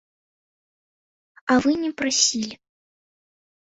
А вы не прасілі.